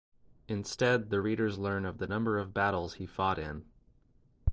Instead the readers learn of the number of battles he fought in.